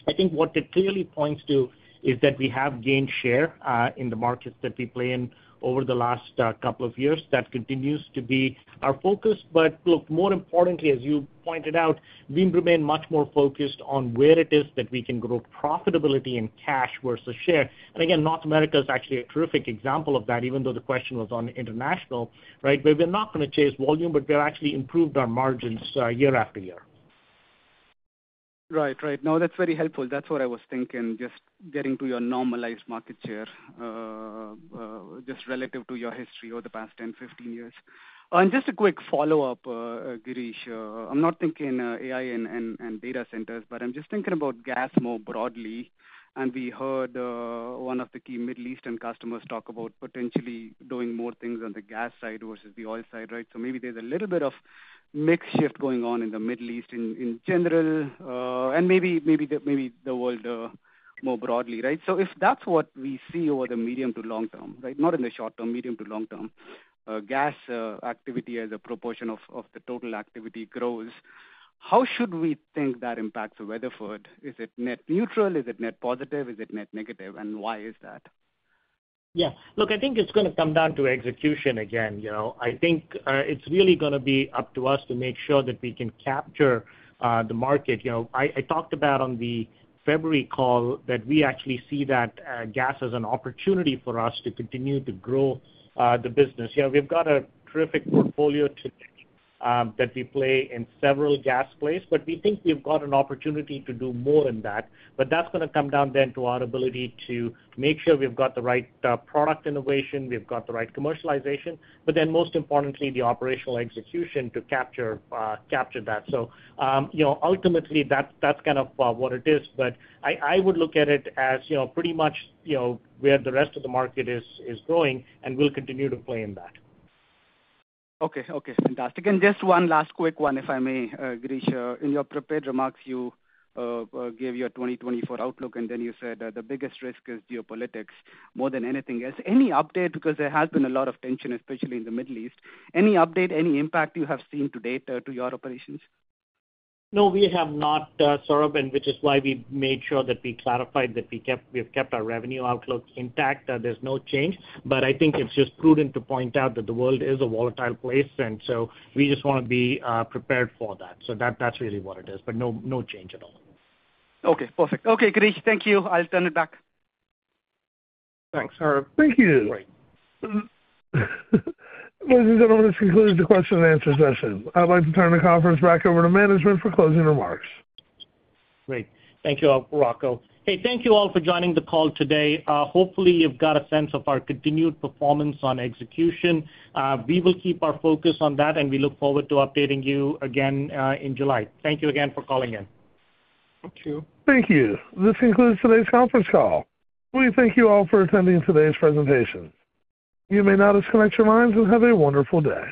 I think what it clearly points to is that we have gained share in the markets that we play in over the last couple of years. That continues to be our focus. But look, more importantly, as you pointed out, we remain much more focused on where it is that we can grow profitability and cash versus share. And again, North America is actually a terrific example of that, even though the question was on international, right? Where we're not gonna chase volume, but we've actually improved our margins year after year. ... Right, right. No, that's very helpful. That's what I was thinking, just getting to your normalized market share, just relative to your history over the past 10, 15 years. And just a quick follow-up, Girish. I'm not thinking, AI and data centers, but I'm just thinking about gas more broadly. And we heard, one of the key Middle Eastern customers talk about potentially doing more things on the gas side versus the oil side, right? So maybe there's a little bit of mix shift going on in the Middle East in general, and maybe the world more broadly, right? So if that's what we see over the medium to long term, right, not in the short term, medium to long term, gas activity as a proportion of the total activity grows, how should we think that impacts Weatherford? Is it net neutral? Is it net positive? Is it net negative, and why is that? Yeah. Look, I think it's gonna come down to execution again, you know. I think, it's really gonna be up to us to make sure that we can capture the market. You know, I, I talked about on the February call that we actually see that gas is an opportunity for us to continue to grow the business. You know, we've got a terrific portfolio today that we play in several gas plays, but we think we've got an opportunity to do more than that. But that's gonna come down then to our ability to make sure we've got the right product innovation, we've got the right commercialization, but then, most importantly, the operational execution to capture, capture that. So, you know, ultimately, that's, that's kind of what it is. But I would look at it as, you know, pretty much, you know, where the rest of the market is going, and we'll continue to play in that. Okay. Okay, fantastic. And just one last quick one, if I may, Girish. In your prepared remarks, you gave your 2024 outlook, and then you said that the biggest risk is geopolitics more than anything else. Any update? Because there has been a lot of tension, especially in the Middle East. Any update, any impact you have seen to date, to your operations? No, we have not, Saurabh, and which is why we made sure that we clarified that we kept, we have kept our revenue outlook intact, there's no change. But I think it's just prudent to point out that the world is a volatile place, and so we just wanna be prepared for that. So that, that's really what it is, but no, no change at all. Okay, perfect. Okay, Girish, thank you. I'll turn it back. Thanks, Saurabh. Thank you. Great. Ladies and gentlemen, this concludes the Q&A session. I'd like to turn the conference back over to management for closing remarks. Great. Thank you, [Rocco]. Hey, thank you all for joining the call today. Hopefully, you've got a sense of our continued performance on execution. We will keep our focus on that, and we look forward to updating you again, in July. Thank you again for calling in. Thank you. Thank you. This concludes today's conference call. We thank you all for attending today's presentation. You may now disconnect your lines and have a wonderful day.